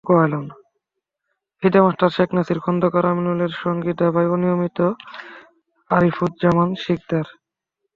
FIDE master Sheikh Nasir, Khondokar আমিনুলের সঙ্গী দাবায় অনিয়মিত আরিফুজ্জামান শিকদার।